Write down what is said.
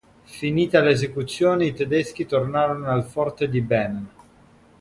Finita l’esecuzione, i tedeschi tornarono al Forte di Bem.